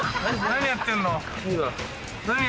何やってんの？